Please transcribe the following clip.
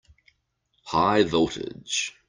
High voltage!